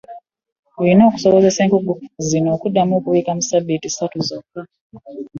Olina okusobozesa enkoko zino okuddamu okubiika mu ssabbiiti ssatu zokka.